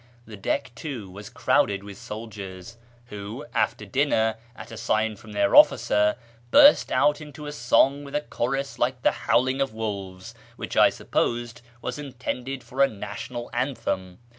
The deck, too, was crowded with soldiers, who, after dinner, at a sign from their ollicer, burst out into a song with a chorus lii'Ce the howling of wolves, whicli, I supposed, was intended for a national anthem.